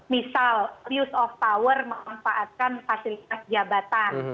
misal abuse of power memanfaatkan fasilitas jabatan